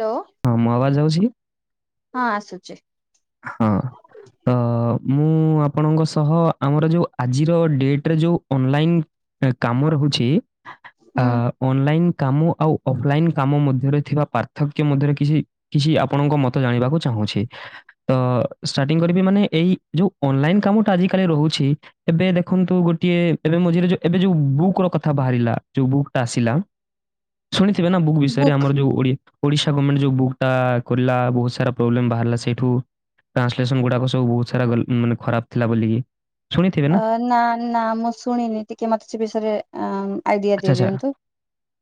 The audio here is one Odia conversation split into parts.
ହ୍ୟାଲୋ। ହଁ ମୁଁ ଆବାଜ ଆଉଛି। ହଁ ଆସୁଛି। ହଁ ତ ମୁଁ ଆପଣଙ୍କ ସହ ଆମର ଯୋଉ ଆଜିର ଡେଟରେ ଯୋଉ ଅନଲାଇନ୍ କାମ ର ହଉଛି ଅ ହୁଁ ଅନଲାଇନ୍ କାମ ଆଉ ଅଫଲାଇନ୍ କାମ ମଧ୍ୟରେ ଥିବା ପାର୍ଥକ୍ୟ ମଧ୍ୟରେ କିଛି କିଛି ଆପଣଙ୍କ ମତ ଜାଣିବାକୁ ଚାହୁଁଛି। ତ ଷ୍ଟାର୍ଟିଂ କରିବି ମାନେ ଏଇ ଯୋଉ ଅନଲାଇନ କାମଟା ଆଜି କାଲି ରହୁଛି। ଏବେ ଦେଖନ୍ତୁ ଗୋଟିଏ ଏବେ ମଝିରେ ଯୋ ଏବେ ଯୋଉ ବୁକ୍ ର କଥା ବାହାରିଲା ଯୋଉ ବୁକ୍ ଟା ଆସିଲା। ଶୁଣିଥିବେ ନା ବୁକ୍ ବିଷୟରେ ଆମର ଯୋଉ ଓଡିଆ ଓଡିଶା ଗଭର୍ଣମେଣ୍ଟ ଯୋଉ ବୁକ୍ ଟା କରିଲା ବହୁତ ସାରା ପ୍ରୋବ୍ଲେମ୍ ବାହାରିଲା ସେଇଠୁ ଟ୍ରାନ୍ସଲେସନ୍ ଗୁଡାକ ସବୁ ବହୁତ ସାରା ଗଲ ମାନେ ଖରାପ ଥିଲା ବୋଲିକି। ଅ ନା ନା ମୁଁ ଶୁଣିନି ଟିକେ ମତେ ସେ ବିଷୟରେ ଆ ଆଇଡିଆ ଆଚ୍ଛା ଆଚ୍ଛା ଦେଇଦିଅନ୍ତୁ।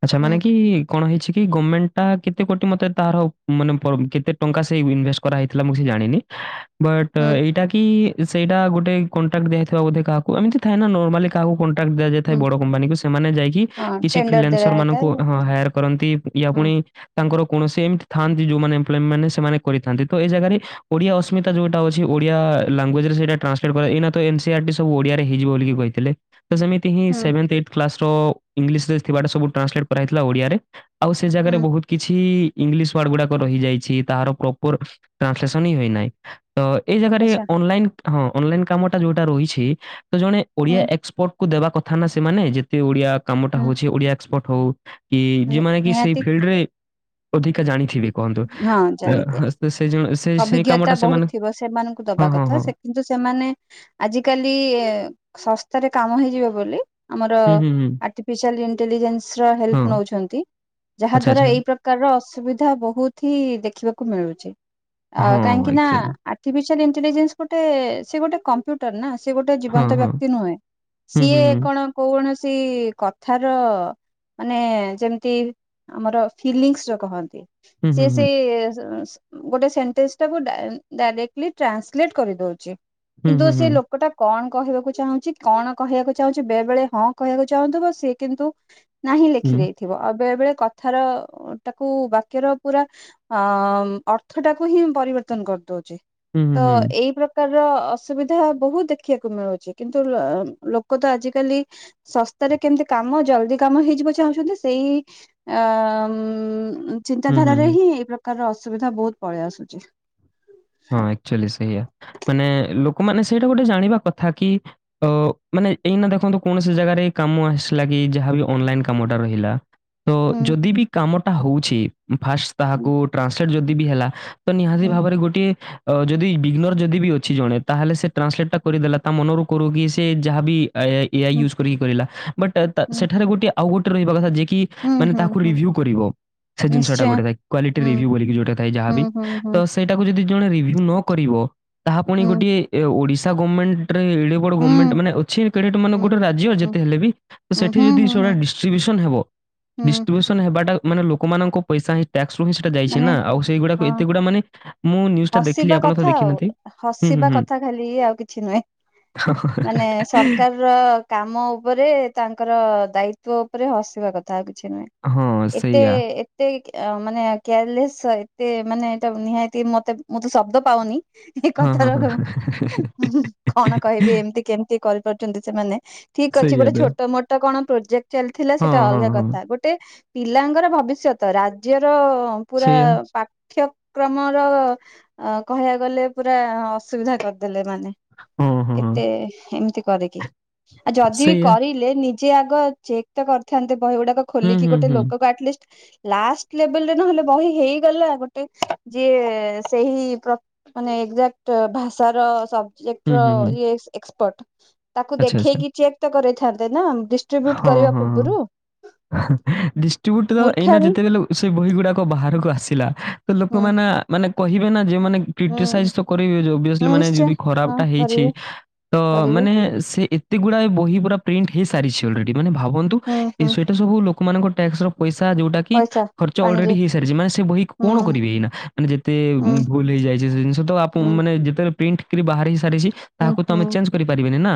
ଆଚ୍ଛା ମାନେ କି କଣ ହେଇଛି କି ଗଭର୍ଣ୍ଣମେଣ୍ଟ ଟା କେତେ କୋଟି ମତେ ତାର ମାନେ କେତେ ଟଙ୍କା ସେଇ ଇନଭେଷ୍ଟ କରା ହେଇଥିଲା ଜାଣିନି ବଟ୍ ହୁଁ ଏଇଟା କି ସେଇଟା ଗୋଟେ କଟାକ୍ଟ ଦିଆଥିବା ବୋଧେ କାହାକୁ ଏମିତି ଥାଏ ନା ନର୍ମାଲି କାହାକୁ କଣ୍ଟ୍ରାକ୍ଟ ଦିଆଯାଇଥାଏ ହୁଁ ବଡ କମ୍ପାନୀକୁ ସେମାନେ ଯାଇକି ହଁ କିଛି ଟେଣ୍ଡର ଦେଲା ରହିଥାଏ ଫିଲାନନ୍ସରାନଙ୍କୁ ହଁ ହାୟର କରନ୍ତି ୟା ହଁ ପୁଣି ତାଙ୍କର କୌଣସି ଏମିତି ଥାନ୍ତି ଯୋଉମାନେ ଏପ୍ଲୋଇ ମାନେ ସେମାନେ କରିଥାନ୍ତି ତ ଏ ଜାଗାରେ ଓଡିଆ ଅସ୍ମିତା ଯୋଟା ଅଛି ଓଡିଆ ଲାଙ୍ଗୁଏଜ୍ ରେ ସେ ଟାନ୍ସଲେଟ କରିବା ଏଇନା ତ ଏମସିଆରଟି ଓଡିଆରେ ହେଇଯିବ ବୋଲିକି କହିଥିଲେ ସେମି ତି ହିଁ ହୁଁ ସେଭେଥ ଏଇଥ୍ କ୍ଲାସର ଇଂଲିଶ ଥିବାଟା ସବୁ ଟ୍ରାନସଲେଟ୍ କରାହେଇଥିଲା ଓଡ଼ିଆରେ ଆଉ ସେ ହୁଁ ଜାଗାରେ ବହୁତ କିଛି ଇଂଲିଶ ୱାର୍ଡ ଗୁଡାକ ରହିଯାଇଛି ତାହାର ପ୍ରପର ଟ୍ରାନ୍ସଲେସନ୍ ହିଁ ହୋଇନାହିଁ ତ ଏଇ ଜାଗାରେ ଆଚ୍ଛା ଅନଲାଇନ ହଁ ଅନଲାଇନ କାମ ଟା ଯୋଉଟା ରହିଛି ତ ଜଣେ ହୁଁ ଓଡିଆ ଏକ୍ସପର୍ଟ କୁ ଦେବା କଥା ନା ସେମାନେ ଯେ କେ ଓଡିଆ କାମଟା ହୁଁ ହଉଛି ଓଡିଆ ଏକ୍ସପର୍ଟ ହଉ କି ଯୋଉମାନେ କି ସେଇ ନିହାତି ଫିଲ୍ଡ ରେ ଅଧିକା ଜାଣିଥିବି କହନ୍ତୁ ହଁ ଜାଣିଦିଏ ସେ ଜଣ ସେ ସେଇ ଅଭିଜ୍ଞତା କାମଟା ବହୁତ ସେମାନେ ଥିବ ସେମାନଙ୍କୁ ହଁ, ଦବା ହଁ, କଥା ହଁ। ସେ କିନ୍ତୁ ସେମାନେ ଆଜିକାଲି ଶସ୍ତାରେ କାମ ହେଇଯିବ ବୋଲି ଆମର ହୁଁ, ହୁଁ, ହୁଁ। ଆର୍ଟିଫିସିଆଲ ଇଣ୍ଟେଲିଜେନ୍ସ ର ହଁ, ହେଲ୍ପ ନଉଛନ୍ତି ଯାହା ଆଚ୍ଛା, ଦ୍ଵାରା ଆଚ୍ଛା। ଏଇ ପ୍ର ପ୍ରକାର ଅସୁବିଧା ବହୁତ ହି ଦେଖିବାକୁ ମିଳୁଛି। ଆ ହଁ, କାହିଁକି ନା ଏକ୍ଚୁଆଲି। ଆର୍ଟିଫିସିଆ ଇଣ୍ଟେଲିଜେନ୍ସ ଗୋଟେ ସେ ଗୋଟେ କମ୍ପ୍ୟୁ ଟର ନା ସେ ଗୋଟେ ହଁ, ଜୀବନ୍ତ ହଁ। ବ୍ୟକ୍ତି ନୁହେଁ ହୁଁ, ହୁଁ, ସିଏ ହୁଁ। କଣ କୌଣସି କଥାର ମାନେ ଯେମିତି ଆମର ଫିଲିଙ୍ଗସ ର କହନ୍ତି ସି ସେ ସ ଗୋଟେ ସେଣ୍ଟେନ୍ସ ଟାକୁ ଡା ଡାରେକଟିଲି ଟ୍ରାନ୍ସଲେଟ କରିଦଉଛି ହୁଁ, କିନ୍ତୁ ହୁଁ, ସେ ହୁଁ। ଲୋକ ଟା କଣ କହିବାକୁ ଚାହୁଁଛି କଣ କହିବାକୁ ଚାହୁଁଛି ବେଳେ ବେଳେ ହଁ କହିବାକୁ ଚାହୁଁଥିବ ସେ କିନ୍ତୁ ନାହିଁ ହୁଁ, ହୁଁ, ଲେଖି ହୁଁ। ଥିବ ଅ ବେଳେ ବେଳେ କଥାର ତାକୁ ବାକ୍ୟର ପୁରା ଅଥ ଅର୍ଥ ଟାକୁ ହିଁ ପରିବର୍ତ୍ତନ କରିଦଉଛି ହୁଁ, ହୁଁ, ତ ହୁଁ, ହୁଁ। ଏଇ ପ୍ରକାର ପ୍ରକାର ର ଅସୁବିଧା ବହୁତ ଦେଖିବାକୁ ମିଳୁଛି କିନ୍ତୁ ଅ ଲୋକ ତ ଆଜିକାଲି ଶସ୍ତାରେ କେମିତି କାମ ଜଲ୍ଦି କାମ ହେଇଯିବ ଚାହୁଁଛନ୍ତି ସେଇ ଆ ଉଁ ହୁଁ, ଚିନ୍ତାଧାରା ହୁଁ, ରେ ହୁଁ। ହିଁ ଏଇ ପ୍ରକାର ଅସୁବିଧା ବହୁତ ପଳେଇ ଆସୁଛି। ହଁ ଆଚୁଆଲି ସେଇଆ ମାନେ ଲୋକମାନେ ସେଇଟା ଗୋଟେ ଜାଣିବା କଥା କି ଅ ମାନେ ଏଇନା ଦେଖନ୍ତୁ କୌଣସି ଜାଗାରେ କାମ ଆସିଲା କି ଯାହାବି ଅନଲାଇନ କାମଟା ରହିଲା ତ ହୁଁ ଯଦି ବି କାମଟା ହଉଛି ଫାଷ୍ଟ ହୁଁ ତାହାକୁ ଟ୍ରାନ୍ସଲେଟ ଯଦି ବି ହେଲା ତ ନିହାତି ହୁଁ ଭାବରେ ଗୋଟିଏ ଅ ଯଦି ବିଗ୍ନର ଯଦି ବି ଅଛି ଜଣେ ତାହେଲେ ସେ ଟ୍ରାନ୍ସଲେଟ ଟା କରିଦେଲା ତା ମନରୁ କରୁ କି ସେ ଯାହାବି ଏଆଇ ହୁଁ ୟୁଜ୍ କରିକି କରିଲା ବଟ୍ ଟ ହୁଁ ସେଠାରେ ଗୋଟେ ଆଉ ଗୋଟେ ରହିବା କଥା ଯେ କି ହୁଁ ମାନେ ହୁଁ ତାକୁ ହୁଁ ରିଭ୍ୟୁ କରିବ। ସେ ଜିନିଷଟା ନିଶ୍ଚୟ ଗୋଟେ ଥାଏ କ୍ୱାଲିଟି ହୁଁ ରିଭ୍ୟୁ ଭଳିକି ଯୋଉଟା ଥାଏ ହୁଁ ଯାହାବି ହୁଁ ତ ହୁଁ ସେଇଟାକୁ ଜଦି ଜଣେ ରିଭିଉ ନ କରିବ ତାହାପୁଣି ଏ ହୁଁ ଗୋଟିଏ ଓଡ଼ିଶା ଗମେଣ୍ଟ ରେ ଏଡେ ଗୋଟ ହୁଁ ଗମେଣ୍ଟ ମାନ ଅଛି କେଡେ ମାନେ ହୁଁ ଗୋଟେ ରାଜ୍ୟ ହୁଁ ଯେତେ ହେଲେ ବି ତ ସେଠି ହୁଁ ହୁଁ ଯଦି ସେଇ ହୁଁ ଭଳିଆ ଡିଷ୍ଟ୍ରିବ୍ୟୁସନ ହେବ ହୁଁ ଡିଷ୍ଟସ ହେବାଟା ମାନେ ଲୋକମାନଙ୍କ ପଇସା ହଁ ଟାସ୍କ ରୁ ହିଁ ସେଟା ଯାଇଛି ମାନେ ନା ଆଉ ସେଇଗୁଡାକ ହଁ ଏତେ ଗୁଡା ମାନେ ମୁଁ ନି ହସିବା କଥା ଆଉ ହସିବା କଥା ଖାଲି ଆଉ କିଛି ନୁହେଁ। ହ [inaudible] ର କାମ ଉପରେ ତାଙ୍କର ଦାୟିତ୍ଵ ଉପରେ ହସିବା କଥା ଆଉ କିଛି ନୁହେଁ। ହଁ ଏତେ ସେଇଆ ଏତେ ମାନେ। କେୟାରଲେସ୍ ଏତେ ମାନେ ଏଟା ନିହାତି ମତେ ମୁଁ ତ ଶବ୍ଦ ପାଉନି। ଏ ହଁ ହଁ କଥାର ହଁ କଣ କହିବି ଏମିତି କେମତି କରିପାରୁଛନ୍ତି ସେମାନେ ଠିକ ଅଛି ସେଇଆ ଗୋଟେ ତ ଛୋଟ ମୋଟ କଣ ପ୍ରୋଜେକ୍ଟ ଚାଲିଥିଲା ହଁ ସେଇଟା ହଁ ଅଲଗା ହଁ କଥା ଗୋଟେ େ ପିଲାଙ୍କର ଭବିଷ୍ୟତ ରାଜ୍ୟର ପୁରା ସେଇଆ ପାଠ କ୍ରମର କହିବା ଗଲେ ପୁରା ଅସୁବିଧା କରିଦେଲେ ମାନେ ହଁ ହଁ ହଁ ଏତେ ଏମିତି କରିକିି ଆଉ ଯଦି ବି ସେଇଆ କରି ନିଜେ ଆଗ ଚେକ୍ ତ କରିଥାନ୍ତେ ବହି ଗୁଡାକ ହୁଁ ଖୋଲିକି ହୁଁ ଗୋଟେ ହୁଁ ଲୋକ କୁ ଆଟ୍ଲିଷ୍ଟ ଲାଷ୍ଟ ଲେବଲରେ ନହେଲେ ବହି ହେଇଗଲା ଗୋଟେ ଯିଏ ସେହି ପ୍ର ମାନେ ଏକ୍ଜାକ୍ଟ ଭାଷାର ସବ ହୁଁ ହୁଁ ହୁଁ ଯିଏ ଏକ୍ସପର୍ଟ ତାକୁ ଆଚ୍ଛା ଆଚ୍ଛା ଦେଖେଇକି ଚେକ୍ ତ କରଥାନ୍ତେ ନା ଡିଷ୍ଟ୍ରିବ୍ୟୁଟ ହଁ କରିବା ହଁ ପୂର୍ବରୁ ଡିଷ୍ଟ୍ରିବ୍ୟୁଟ ତ ଏଇ ନା ମୂର୍ଖାମି ଯେତେ କି ଲକ୍ ସେ ବହି ଗୁଡାକ ବାହାରକୁ ଆସିଲା ତ ହୁଁ ଲୋକମାନେ ମାନେ କହିବେ ନା ଯେଉମାନେ। ହୁଁ କ୍ରିଟିସାଇଜ ତ କରିବେ ଅବିଅସ୍ଲି ହୁଁ ମାନେ ନିଶ୍ଚୟ ଯଦି ହଁ ଖରାପଟା ହେଇଛି କରିବେ ତ କରିବେ ମାନେ ସେ। ଏତେ ଗୁଡା ବହି ପୁରା ପ୍ରିଣ୍ଟ ହେଇସାରିଛି ଅଲରେଡି ମାନେ ଭାବନ୍ତୁ ହୁଁ ଏ ହୁଁ ସେଇଟା ସବୁ ଲୋକମାନଙ୍କ ଟ୍ୟାକ୍ସ ର ପଇସା ଯୋଉଟା କି ପଇସା ଖର୍ଚ୍ଚ ପାଣିରେ ଅଲରେଡି ହେଇସାରିଛି ମାନେ ସେ ବହି କଣ ହୁଁ କରିବେ ଏଇନା ମାନେ ଯେତେ ହୁଁ ଭୁଲ ହେଇଯାଇଛି ସେ ଜିନିଷ ତ ହୁଁ ମାନେ ଯେତେ ବେଳେ ପ୍ରିଣ୍ଟ କିରି ବାହାର ହେ ସାରିଛି ହୁଁ ତାହାକୁ ହୁଁ ତମେ ଚେଞ୍ଜ କରିପାରିବନି ନା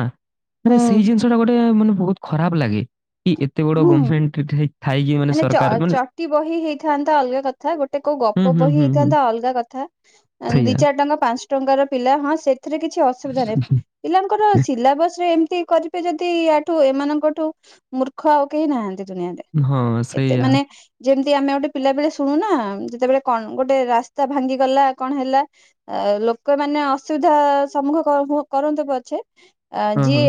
ମାନ ହୁଁ ସେଇ ଜିନିଷଟା ଗୋଟେ ମାନେ ବହୁତ୍ ଖରାପ ଲାଗେ କି ଏତେ ବଡ ହୁଁ ଗଭର୍ଣମେଣ୍ଟ ଥାଇକି ମାନେ ଚ ସରକାର ମାନେ ଚଟି ବହି ହେଇଥାନ୍ତା ଅଲଗା କଥା ଗୋଟେ କୋଉ ହୁଁ, ଗପ ହୁଁ, ବହି ହୁଁ, ହୁଁ ହେଇଥାନ୍ତା ଅଲଗା କଥା ଦି ସେଇଆ। ଚାରି ଟଙ୍କା ପାଞ୍ଚ ଟଙ୍କାର ପିଲା ହଁ ସେ ସେଥିରେ କିଛି ଅସୁବିଧା ନାହିଁ ପିଲାଙ୍କର ସିଲାବସ୍ ରେ ଏମିତି କରିବେ ଯଦି ଆଠୁ ଏମାନଙ୍କଠୁ ମୃ ଖ ଆଉ କେହି ନାହାନ୍ତି ଦୁନିଆରେ ହଁ, ଏତେ ସେଇଆ। ମାନେ। ଯେମିତି ଆମେ ଗୋଟେ ପିଲା ବଳେ ଶୁଣୁନା ଯେତେବେଳେ କଣ ଗୋଟେ ରାସ୍ତା ଭାଙ୍ଗିଗଲା କଣ ହେଲା ଆ ଲୋକମାନେ ଅସୁବିଧା ସମ୍ମୁଖ ହୁ କରନ୍ତୁ ପଛେ ଅ ହଁ, ହଁ, ଯିଏ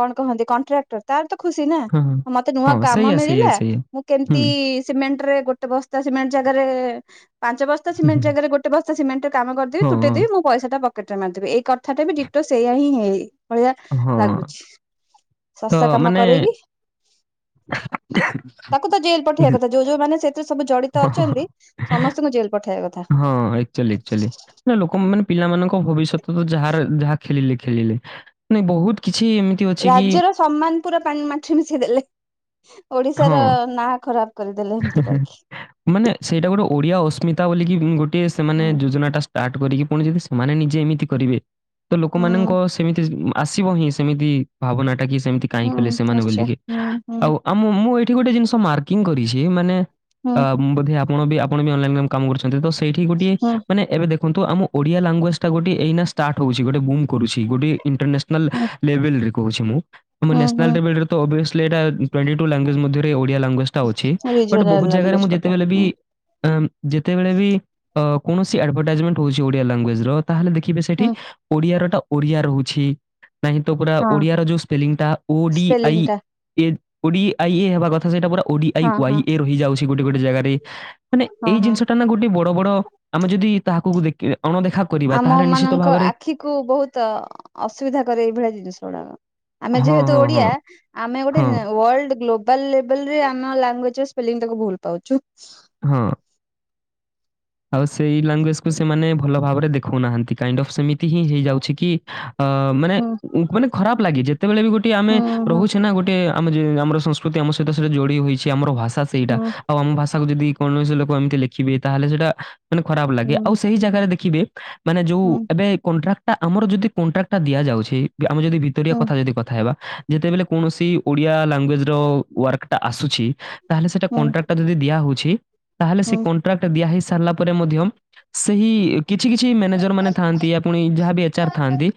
କଣ କହନ୍ତି କଣ୍ଟ୍ରାକ୍ଟର ତାର ତ ଖୁସି ନା ହଁ, ହଁ। ମତେ ନୂଆ ହଁ, କାମ ସେଇଆ, ସେଇଆ, ମିଳିଲା ସେଇଆ। ମୁଁ କେମତି ହୁଁ। ସିମେଣ୍ଟ ରେ ଗୋଟେ ବସ୍ତା ସିମେଣ୍ଟ ଜାଗାରେ ପାଞ୍ଚ ବସ୍ତା ସିମେଣ୍ଟ ଜାଗାରେ ଗୋଟେ ବସ୍ତା ସିମେଣ୍ଟ କାମ କରିଦି ହଁ ତୁଟେଇଦି ମୁଁ ପଇସା ଟା ପକେଟ ରେ ମାରିଦେବି ଏଇ କଥାଟା ବି ଦିିଟ ସେଇା ଆ ହିଁ ହେଇ ଭଳିଆ ହଁ ଲାଗୁଛି ତ ଶସ୍ତା କାମ ମାନେ କରେଇକି ତାକୁ ତ ଜେଲ ପଠେଇବା ଏକ୍ କଥା ଯୋଉ ଯୋଉମାନେ ସେଥିରେ ସବୁ ଜଡିତ ହଁ ଅଛନ୍ତି ସମସ୍ତଙ୍କୁ ଜେଲ ପଠେଇବା କଥା ହଁ ଏକ୍ଚୁଆଲି ଏକ୍ଚୁଆଲି ନା ଲୋକ ମାନେ ପିଲାମାନଙ୍କ ଭବିଷ୍ୟତ ଯାହାର ଯାହା ଖେଳିଲେ ଖେଳିଲେ ମାନ ବହୁତ କିଛି ଏମତି ରାଜ୍ୟର ସମ୍ମାନ ପୁରା ପାଣି ମାଟି ରେ ମିଶେଇ ଦେଲେ ହଁ ଓଡିଶାର ନାଁ ଖରାପ କରିଦେଲେ ଏମିତି କରିକି ମାନେ ସେଇଟା ଗୋଟେ ଓଡିଆ ଅସ୍ମିତା ବଲିକି ଗୋଟେ ସେମାନେ ହୁଁ ଯୋଜନା ଟା ଷ୍ଟାର୍ଟ କରିକି ପୁଣି ଯଦି ସେମାନେ ନିଜେ ଏମିତି କରିବେ ତ ହୁଁ। ଲୋକମାନଙ୍କ ସେମିତି। ଆସିବ ହିଁ ସେମିତି ଭାବନା ଟା କି ସେମିତି କାହିଁ ହୁଁ କଲେ ସେମାନେ ନିଶ୍ଚୟ ବୋଲିକି ହୁଁ ହୁଁ ଆଉ ଆଉ ମୁ ମୁଁ ଏଇଠି ଗୋଟେ ଜିନିଷ ମାର୍କିଂ କରିଛି ମାନେ ହୁଁ ବୋଧେ ଆପଣ ବି ଆପଣ ବି ଅନଲାଇନ୍ କାମ କରୁଛନ୍ତି ତ ସେଇଠି ଗୋଟଏ ହୁଁ ମାନେ ଏବେ ଦେଖନ୍ତୁ ଆମ ଓଡିଆ ଲାଙ୍ଗୁଏଜ ଟା ଗୋଟେ ଏଇ ନା ଷ୍ଟାର୍ଟ ହଉଛି ଗୋ କରୁଚି ମୁଁ ଗୋଟେ ଇଣ୍ଟରନେସ୍ନାଲ ହୁଁ ଲେବୁଲ୍ କହୁଚିମୁ ତମ ହୁଁ ନେସ୍ନାଲ୍ ହୁଁ ଅଭିଏସ୍ଲି ଏଟା ଟୋଣ୍ଟିଟୁ ଲାୁଙ୍ଗୁଏଜ୍ ମଧ୍ୟରେ ଓଡ଼ିଆ ଲାଙ୍ଗୁଏଜଟା ଅଛି ବଟ୍ ରିଜନାଲ ବହୁତ୍ ଜାଗାରେ ଲାଙ୍ଗୁଏଜ ମୁଁ ଗୋଟେ ଯେତବେଳେ ବି ହୁଁ ଯେତେବେଳେବି ଅଁ କୌଣସି ଆଡଭର୍ଟାଇଜମେଣ୍ଟ ହଉଚି ଓଡ଼ିଆ ଲାଙ୍ଗୁଏଜର ତାହେଲେ ଦେଖିବେ ସେଇଠି ହୁଁ ଓଡିଆରଟା ଓଡ଼ିଆ ରହୁଛି। ନାହିଁତ ପୁରା ହଁ ଓଡିଆର ଯୋଉ ସ୍ପେଲିଂଟା ଓଡି ସ୍ପେଲିଂ ଆଇ ଟା ଏ ଓଡି ଆଇ ଏ ହେବା କଥା ସେଇଟା ପୁରା ଓଡିଆଇ ହଁ ୱାଇ ହଁ। ଏ ରହିଯାଉଛି ଗୋଟେ ଗୋଟେ ଜାଗାରେ ମାନେ ହଁ ଏଇ ହଁ ଜିନିଷଟାନା ଗୋଟେ ବଡ଼ ବଡ଼ ଆମେ ଯଦି ତାହାକୁ ଦେଖ ଅଣଦେଖା କରିବା ତାହେଲେ ନିଶ୍ଚିତ ଭାବରେ କୁ ବହୁତ୍ ଅସୁବିଧା କରେ ଏଇଭଳିଆ ଜିନିଷ ଗୁଡ଼ାକ। ଆମେ ହଁ ଯେହେତୁ ହଁ ହଁ ଓଡ଼ିଆ ଆମେ ଗୋଟେ ହଁ ୱାର୍ଲଡ ଗ୍ଲୋବ ତାଲେବୁଲେ ଆମ ଲୁଙ୍ଗୁଏଜ୍ ସ୍ପେଲିଙ୍ଗ୍ ଭୁଲ ପାଉଚୁ। ହଁ। ଆଉ ସେଇ ଲାଙ୍ଗୁଏଜକୁ ସେମାନେ ଭଲ ଭାବରେ ଦେଖଉନାହାନ୍ତି। କାଇଡପ୍ ସେମିତିହିଁ ହେଇଯାଉଛିକି ଅଁ ମାନେ ହୁଁ ମାନେ ଖରାପ୍ ଲାଗେ ଯେ ଯେତେବେଳେବି ଗୋଟେ ଆମେ ହୁଁ ହୁଁ। ରହୁଛେନା ଗୋଟେ ଆମ ଆମର ସଂସ୍କୃତି ଆମ ସହିତ ସୋ ଯୋଡ଼ି ହୋଇ କିଛି ଆମର ଭାଷା ସେଇଟା ଆଉ ଆମ ଭାଷାକୁ ଯଦି କୌଣସି ଲୋକ ଏମିତି ଲେଖିବେ ତାହେଲେ ସେଟା ମାନେ ଖରାପ୍ ଲାଗେ ହୁଁ ଆଉ ସେହି ଜାଗାରେ ଦେଖିବେ ମାନେ ଯୋଉ ହୁଁ ଏବେ କଣ୍ଟ୍ରାଟ ଆମର ଯଦି କଣ୍ଟ୍ରାକ୍ଟା ଦିଆଯାଉଛି ଆମେ ଯଦି ଭିତରିଆ ହୁଁ କଥା ଯଦି କଥା ହେବା ଯେତେବେଳେ କୌଣସି ଓଡ଼ିଆ ଲାଙ୍ଗୁଏଜର ୱାର୍କଟା ଆସୁଛି ତାହେଲେ ସେଇଟା ହୁଁ ହୁଁ କଣ୍ଟ୍ରାକ୍ଟ ଟି ଯଦି ଦିଆହୋଇଛି ତାହେଲେ ହୁଁ ସେକଣ୍ଟ୍ରାକ୍ଟ ଦିଆହେଇ ସାରିଲାପରେ ମଧ୍ୟ ସେହି କିଛି କିଛି ମ୍ୟାନେଜର ମାନେ ଥାଆନ୍ତି ଆପୁଣି ଯାହାବି ଏଚାର ଥାଆନ୍ତି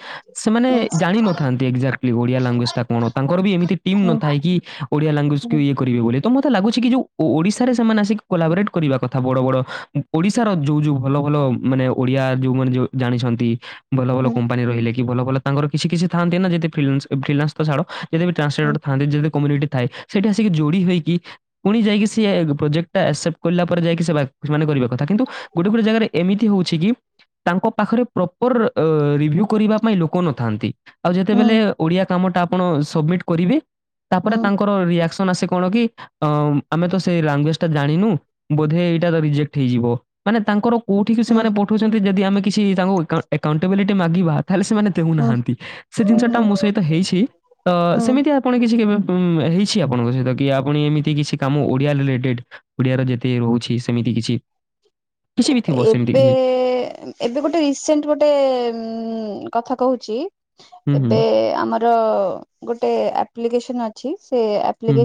ସେମାନେ ହୁଁ। ଜାଣିନଥାନ୍ତି ଏକ୍ଜାକ୍ଟ ଓଡିଆ ଲାଙ୍ଗୁଜଟା କଣ ତାଙ୍କରବି ଏମିତି ଟିମ୍ ହୁଁ ନଥାଏ କି ଓଡ଼ିଆ ହୁଁ ଲାଙ୍ଗୁଏଜକୁ ହୁଁ ଇଏ କରିବେ ବୋଲିତ ମୋତେ ଲାଗୁଚିକି ଯେଉ ଓଡ଼ିଶାରେ ସେମାନେ ଆସି କୋଲାବୋରେଟ୍ କରିବା କଥା ବଡ଼ ବଡ଼ ଓଡିଶାର ଯୋଉ ଯୋଉ ଭଲ ଭଲ ମାନେ ଓଡିଆ ଯୋଉମାନେ ଯଉ ଜାଣିଛନ୍ତି ଭଲ ଭଲ ହୁଁ। କମ୍ପାନୀ ରହିଲେ ଭଲ ଭଲ ତାଙ୍କର କିଛି କିଛି ଥାନ୍ତିନା ଯଦି ଫିଲନ୍ସ ଫ୍ରିଲାସ୍ ତ ଛାଡ଼ କମ୍ୟିଟି ଥାଏ ସେଠି ଆସିକି ଯୋଡ଼ି ହୋଇକି ପୁଣି ଯାଇକି ସିଏ ପ୍ରୋଜେକ୍ଟା ଆକ୍ସେପ୍ଟ କଲା ପରେ ଯାଇକି ସେ କରିବା ଥା କିନ୍ତୁ ହୁଁ ଗୋଟେ ଗୋଟେ ଜାଗାରେ ଏମିତି ହଉଚିକି ତାଙ୍କ ପାଖରେ ପ୍ରପର୍ ରିଭ୍ୟୁ କରିବା ପାଇଁ ଲୋକ ନଥାନ୍ତି। ଆଉ ଯେତେବେଲେ ହୁଁ ଓଡ଼ିଆ କାମଟା ଆପଣ ସମିଟ୍ କରିବେ ତାପରେ ତାଙ୍କ ହୁଁ ତାଙ୍କର ରିଆକ୍ସନ ଆସେ କଣକି ଉଁ ଆମେତ ସେ ଲାଙ୍ଗୁଏଜଟା ଜାଣିନୁ ବୋଧେଏଇଟା ରିଜେ ଠିହେଇଯିବ ମାନେ ତାଙ୍କର କୋଉଠିକି ହୁଁ ସେମାନେ ବ ତୁଯଦି ଯଦି ଆମେ କିଛି ତାଙ୍କୁ ଏକା ଏକାଉଣ୍ଟେବିଲିଟି ମାଗିବା ତାହେଲେ ସେମାନେ ଦେଉନାହାନ୍ତି ହୁଁ ସେଜିନିଷଟା ହୁଁ। ମୋ ସହିତ ହେଇଛି ହୁଁ। ତସେମିତି ପୁଣି କିଛି କେବେ ଉଁ ହେଇଛି ଆପଣଙ୍କ ସହିତ କିଆପମ ଏମିତି କିଛି କାମ ଓଡିଆରିଲେଟେଡ ଓଡ଼ିଶାର ଯେତେ ରହୁଛି ସେମିତି କିଛି ଏ କିଛି ବି ଥିବ ସେମିତି ଏବେ କିଛି? ଏବେ ଗୋଟେ ରିସେଣ୍ଟ ଗୋଟେ ଉଁ କଥା କହୁଚି ହୁଁ, ହୁଁ, ହୁଁ, ଏବେ ଆମର ର ଗୋଟେ ଆପ୍ଲିକେସନ ଅଛି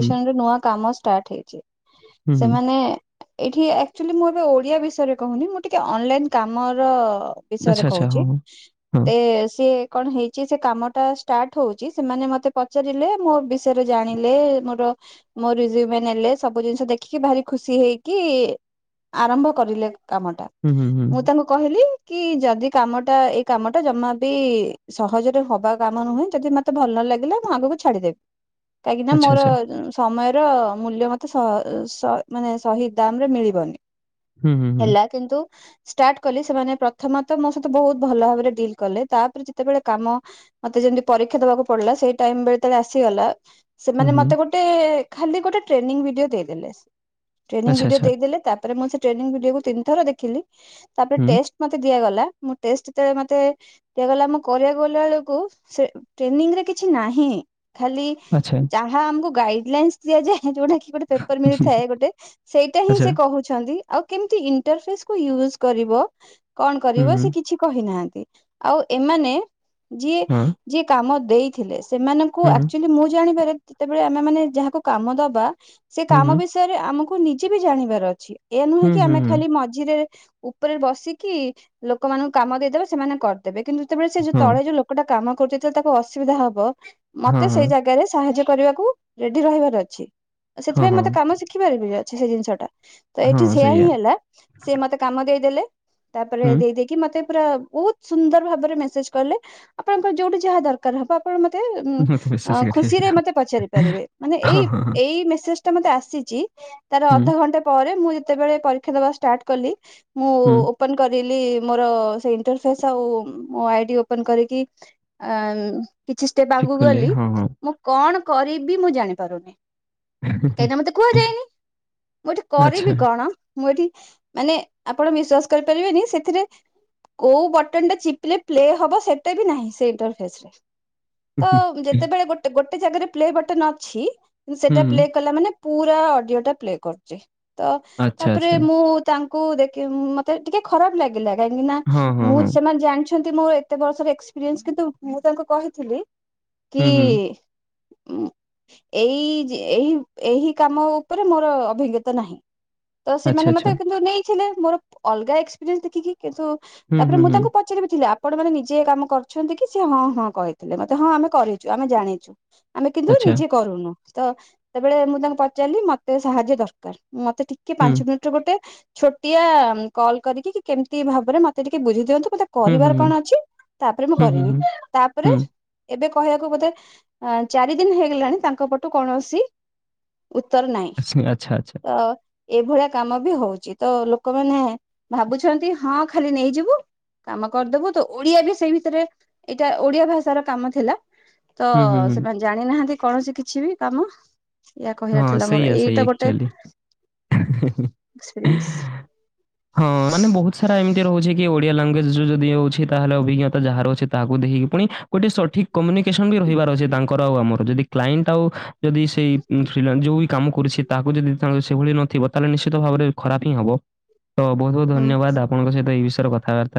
ହୁଁ, ନୂଆ କାମ ଷ୍ଟାର୍ଟ ହେଇ ହୁଁ, ହୁଁ। ସେମାନେ ଏଠି ଆକ୍ଚୁଆଲି ମୁଁ ଏବେ ଓଡ଼ିଆ ବିଷ ଷୟରେ କହୁନି ମୁଁ ଟିକେ ଅନଲାଇନ୍ କାମର ବିଷୟରେ ଆଚ୍ଛା, ଆଚ୍ଛା, ହଁ, କହୁଚି ହଁ, ହଁ। ଏ ସିଏ କଣ ହେଇଚି ସେକାମଟା ଷ୍ଟାର୍ଟ ହୋଉଚି ସେମାନେ ମତେ ପଚାରିଲେ ମୋ ବିଷୟରେ ଜାଣିଲେ ମୋର ମୋ ରିଜଉମ୍ ନେଲେ ସବୁ ଜିନିଷ ଦେଖିକି ଭାରି ଖୁସି ହେଇକି ଆରମ୍ଭ କରିଲେ କାମଟା ହୁଁ, ହୁଁ, ହୁଁ। ମୁଁ ତାଙ୍କୁ କହିଲି କିଯଦି କାମଟା ଏଇ କାମଟା ଜମାବି ସହଜରେ ହବା କାମ ନୁହେଁ ଯଦି ମୋତେ ଭଲ ନଲାଗିଲା ମୁଁ ଆଗକୁ ଛାଡ଼ିଦେବି। କାହିଁକି ନା ଆଚ୍ଛା, ମୋର ଆଚ୍ଛା। ସମୟର ମୂଲ୍ୟ ମତେ ସ ସ ମାନେ ସହିଦ ଦାମରେ ମିଳିବନି। ହୁଁ, ହୁଁ, ହୁଁ, ହେଲା କିନ୍ତୁ ଷ୍ଟାର୍ଟ କଲି ସେମାନେ ପ୍ରଥମତଃ ମୋ ସହିତ ବହୁତ ଭଲ ଭାବରେ ଡିଲ୍ କଲେ ତାପରେ ଯେତେବେଳେ କାମ ମତେ ଯେମିତି ପରୀକ୍ଷା ଦେବାକୁ ପଡିଲା ସେଇ ଟାଇମ ବେଳେ ଆସିଗଲା ହୁଁ, ସେମାନେ ହୁଁ। ମତେ ଗୋଟେ ଖାଲି ଗୋଟେ ଟ୍ରେନିଂ ଭିଡିଓ ଦେଇଦେଲେ ଟ୍ରେନିଂ ଆଚ୍ଛା, ଭିଡିଓ ଆଚ୍ଛା। ଦେଇଦେଲେ ତାପରେ ତାପରେ ମୁଁ ସେ ଟ୍ରେନଙ୍ଗ ଭିଡିକୁ ତିନିଥର ଦେଖିଲି ତାପରେ ହୁଁ, ଟେଷ୍ଟ ମତେ ଦିଆଗଲା ମୁ ଟେଷ୍ଟ ଯେତେବେଳେ ମତେ ଦିଆଗଲା ଆମକୁ କରିବାକୁ ଗଲା ବେଳକୁ ସେ ଟ୍ରେନିଂରେ କିଛି ନାହିଁ ଖାଲି ଆଚ୍ଛା, ଯାହା ଆମକୁ ଗାଇଡ ଲାଇନସ ଦିଆଯାଏ ଯୋଉଟା କି ଗୋଟେ ପେପର ମିଳିଥାଏ ଗୋଟେ ସେଇଟା ହିଁ ଆଚ୍ଛା। ସେ କହୁଛନ୍ତି ଆଉ କେମତି ଇଣ୍ଟରଫେସ କୁ ୟୁଜ କରିବ କଣ ହୁଁ, କରିବ ହୁଁ, ସେ କିଛି କହିନାହାନ୍ତି ଆଉ ଏମାନେ ଯିଏ ହଁ, ଯିଏ କାମ ଦେଇଥିଲେ ସେମାନେ କୁ ହୁଁ, ଆକଚୁଆଲି ମୁଁ ଜାଣିବାରେ ଯେତେବେଳେ ଆମେ ମାନେ ଯାହାକୁ କାମ ଦବା ସେ ହୁଁ, କାମ ହୁଁ, ବି ବିଷୟରେ ଆମକୁ ନିଜେ ବି ଜାଣିବାର ଅଛି ଏୟା ନୁହେଁ ହୁଁ, କି ହୁଁ, ଆମେ ହୁଁ, ହୁଁ। ଖାଲି ମଝିରେ ଉପରେ ବସିକି ଲୋକମାନଙ୍କୁ କାମ ଦେଇଦେବେ ସେମାନେ କରିଦେବେ କିନ୍ତୁ ଯେତେବେଳେ ସେ ଯୋଉ ହଁ, ତଳେ ଯୋଉ ଗୋଟେ କାମ କରୁଛି ଯେତେବେଲେ ତାକୁ ଅସୁବିଧା ହବ ହଁ, ମତେ ସେଇ ଜାଗାରେ ସାହାଯ୍ୟ କରିବାକୁ ରେଡି ରହିବାର ଅଛି ହଁ, ସେଥିପାଇଁ ହଁ, ହଁ, ମତେ କାମ ଶିଖିବାର ବି ଅଛି ସେଇ ଜିନିଷ ଟା। ତ ହଁ ଏଠି ସେୟା ହିଁ ସେଇଆ। ହେଲା ସେ ମୋତେ କାମ ଦେଇଦେଲେ ତାପରେ ହୁଁ, ଦେଇ ଦେଇ କି ମତେ ପୁରା ବହୁତ ସୁନ୍ଦର ଭାବରେ ମେସେଜ କଲେ ଆପଣଙ୍କର ଯୋଉଠି ଯାହା ଦର କାର ହବ ପଣ ମତେ ମତେ ବିଶ୍ୱାସ କରିବେନି। ଖୁସିରେ ହଁ, ମତେ ପଚାରି ପାରିବେ ମାନେ ଏଇ ହଁ, ହଁ, ଏଇ ମେସେଜ ଏଟା ମୋତେ ଆସିଛି ତାର ହୁଁ, ଅଧଘଣ୍ଟା ପରେ ମୁଁ ଯେତେବେଲେ ପରୀକ୍ଷା ଦବା ଷ୍ଟାଟ କଲି ମୁଁ ହୁଁ, ଓପନ କରିଲି ମୋର ସେ ଇଣ୍ଟରଫେସ ଆଉ ଆଇଡି ଓପନ କରିକି ଅ କିଛି ଷ୍ଟେପ ଠିକ୍ ଆଗକୁ କହିଲେ। ଗଲି ହଁ, ହଁ। ମୁଁ କଣ କରିବି ମୁଁ ଜାଣିପାରୁନି। କାହିଁକିନା ମତେ କୁହାଯାଇଏନି ମୁଁ ଏଠି କରିବି ଣ ମୁଁ ଏଠି ମାନେ ଆପଣ ବିଶ୍ଵାସ କରିପାରିବେନି ସେଥିରେ କୋଉ ବଟନ ଟା ଚିପିଲେ ପ୍ଲେ ହବ ସେଟା ବି ନାହିଁ ସେ ଇଣ୍ଟରଫେସରେ। ତ ଯେତେବେଳେ ଗୋଟ ଗୋଟେ ଜାଗାରେ ପ୍ଲେ ବଟନ ଅଛି କି ସେଟା ପ୍ଲେ କଲା ମାନେ ପୁରା ଅଡିଓ ଟା ପ୍ଲେ କରୁଛି ତ ତାପରେ ମୁଁ ତାଙ୍କୁ ଦେଖି ମତେ ଟିକେ ଖରାପ ଲାଗିଲା କାହିଁକି ନା ମୁଁ ସେମାନେ ଜାଣିଛି ମୋର ଏତେ ବର୍ଷର ଏକ୍ସପିରିନ୍ସ କିନ୍ତୁ ମୁଁ ତାଙ୍କୁ କହିଥିଲି କି ଉ ଏଇ ଏ ଏହି କାମ ଉପରେ ମୋର ଅଭିଜ୍ଞତା ନାହିଁ। ତ ସେମାନେ ମତେ କିନ୍ତୁ ନେଇଥିଲେ ମୋର ଅଲଗା ଏକ୍ସପିରିଏନ୍ସ ଦେଖିକି କିନ୍ତୁ ତାପରେ ମୁଁ ତାଙ୍କୁ ପଚାରି ବି ଥିଲେ ଆପଣ ମାନେ ନିଜେ କାମ କରୁଛନ୍ତି କି ସେ ହଁ ହଁ କହିଥିଲେ ମତେ ହଁ ଆମେ କରିଛୁ ଆମେ ଜାଣିଛୁ। [inaudible] ଆମେ କିନ୍ତୁ ନିଜେ କରୁନୁ ତ ସେବେଳେ ମୁଁ ତାଙ୍କୁ ପଚାରିଲି ମତେ ସାହାଯ୍ୟ ଦରକାର ମତେ ଟି କି ପାଞ୍ଚ ମିନିଟର ଗୋଟେ ଛୋଟିଆ କଲ୍ କରିକି କି କେମିତି ଭାବରେ ମତେ ଟିକେ ବୁଝେଇଦିଅନ୍ତୁ ମତେ କରିବାର କଣ ଅଛି ତାପରେ ମୁଁ କରିବି ତାପରେ ଏବେ କହିବାକୁ ବୋଧେ ଚାରି ଦିନ ହେଇଗଲାଣି ତାଙ୍କ ପଟୁ କୌଣସି ଉତ୍ତର ନାହିଁ। ଆଚ୍ଛା ଆଚ୍ଛା। ତ ଏଇଭଳିଆ କାମ ବି ହଉଛି ତ ଲୋକମାନେ ଭାବୁଛନ୍ତି ହଁ ଖାଲି ନେଇଯିବୁ। କାମ କରିଦବୁ ତ ଓଡିଆ ବି ସେଇ ଭିତରେ ଏଇଟା ଓଡିଆ ଭାଷାର କାମ ଥିଲା। ତ ସେମାନେ ଜାଣି ନାହାନ୍ତି କୌଣସି କିଛି ବି କାମ ଇ କହିବାର ଥିଲା ମୋର ସେଇଆ, ସେଇଆ ଏଇଟା ଗୋଟେ ଆକ୍ଚୁଆଲି। ଏକ୍ସପିରିଏନ୍ସ ହଁ। ହଁ ମାନେ ବହୁତ ସାରା ଏମିତି ରହୁଛି କି ଓ ଓଡିଆ ଲାଙ୍ଗୁଏଜ ଯଦି ଅଛି, ତାହେଲେ ଅଭିଜ୍ଞତା ଯାହାର ଅଛି ତାକୁଖକି ପୁଣି ଗୋଟେ ସଠିକ କମ୍ୟୁନିକେସନ୍ ବି ରହିବାର ଅଛି ତାଙ୍କର ଆଉ ଆମର, ଯଦି କ୍ଲ। ଏଣ୍ଟ ଆଉ ଯଦି ସେଇ ଯଉ ବି କାମ କରୁଛି ତାକୁ ଯଦି ସେଭଳି ନଥିବ ତାହେଲେ ନିଶ୍ଚିତ ଭାବରେ ଖରାପ ହିଁ ହେବ। ତ ବହୁତ ବହୁତ ହୁଁ ଧନ୍ୟବାଦ ଆପଣଙ୍କ ସହିତ ଏଇ ବିଷୟରେ କଥା ହେବା।